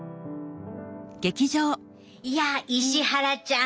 いや石原ちゃん